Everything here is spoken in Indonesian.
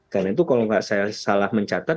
karena itu kalau tidak saya salah mencatat